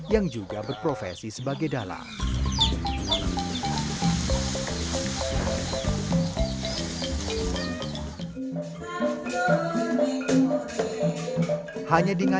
yang juga berprofesi sebagai dalang